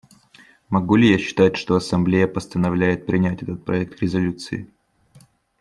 Могу ли я считать, что Ассамблея постановляет принять этот проект резолюции?